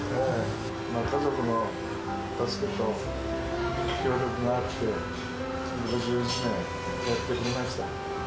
家族の助けと協力があって、５１年、やってこれました。